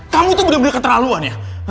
kamu tuh bener bener keterlaluan ya